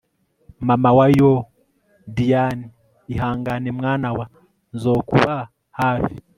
Mama wa YooooDiane ihangane mwanawa nzokuba hafi……